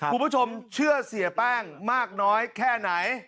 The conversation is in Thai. คุณผู้ชมเชื่อเสียแป้งมากน้อยแค่ไหน